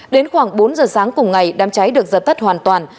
đến khoảng bốn giờ sáng cùng ngày đám cháy được dập tắt hoàn toàn